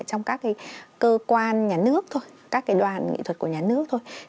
trong các cái cơ quan nhà nước thôi các cái đoàn nghệ thuật của nhà nước thôi